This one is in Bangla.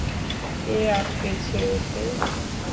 কে আটকেছে ওকে?